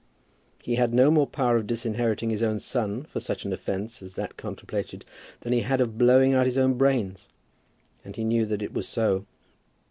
He had no more power of disinheriting his own son for such an offence as that contemplated than he had of blowing out his own brains, and he knew that it was so.